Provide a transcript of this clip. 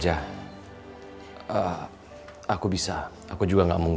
oh di tuning poss